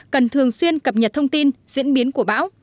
cần thường xuyên cập nhật thông tin diễn biến của bão